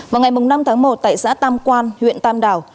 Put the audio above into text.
vào ngày năm tháng một tại xã tam quan huyện tam đảo